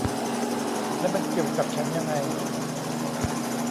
แล้วมันเกี่ยวกับฉันยังไง